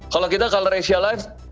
kalau kita color asia live